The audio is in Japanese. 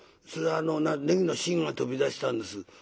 「それはねぎの芯が飛び出したんです」。